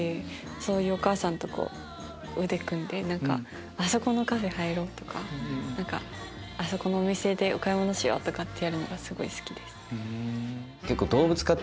そういうお母さんと腕組んであそこのカフェ入ろう！とかあそこでお買い物しよう！ってやるのがすごい好きです。